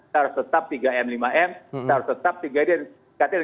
kita harus tetap tiga m lima m